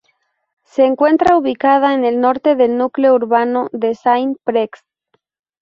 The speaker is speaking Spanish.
Se encuentra ubicada en el norte del núcleo urbano de Saint-Prex.